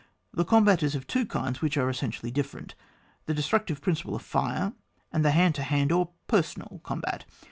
The combat is of two kinds, which are essentially different: the destructive principle of fire, and the hand to hand or personal combat.